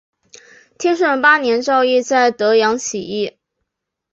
天顺八年赵铎在德阳起义。